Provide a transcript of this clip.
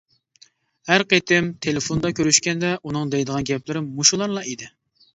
ھەر قېتىم تېلېفوندا كۆرۈشكەندە ئۇنىڭ دەيدىغان گەپلىرى مۇشۇلارلا ئىدى.